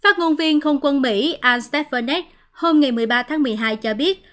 công viên không quân mỹ al stefanet hôm một mươi ba tháng một mươi hai cho biết